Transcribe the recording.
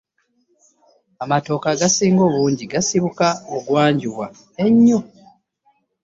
Amatooke agasinga obungi gasibuka bugwanjuba eyo.